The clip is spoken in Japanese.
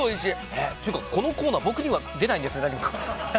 このコーナー僕には出ないんですね。